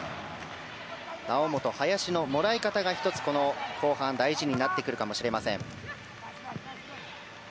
猶本、林のもらい方が後半大事になってくるかもしれません。